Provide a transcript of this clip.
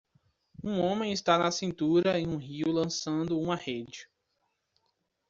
Um homem está na cintura em um rio lançando uma rede.